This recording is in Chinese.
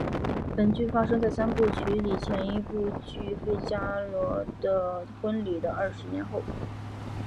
本剧发生在三部曲里前一部剧费加罗的婚礼的二十年后。